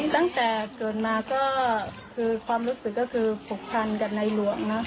ตั้งแต่เกิดมาก็คือความรู้สึกก็คือผูกพันกับในหลวงเนอะ